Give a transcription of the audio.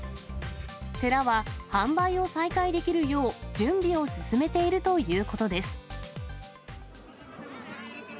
寺は販売を再開できるよう、準備を進めているということです。